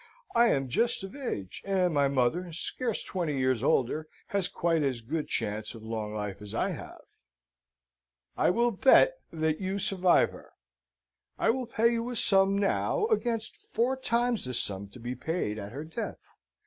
I am just of age, and my mother, scarce twenty years older, has quite as good chance of long life as I have." "I will bet you that you survive her. I will pay you a sum now against four times the sum to be paid at her death.